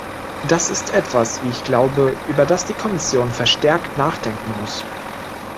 Das ist etwas, wie ich glaube, über das die Kommission verstärkt nachdenken muss.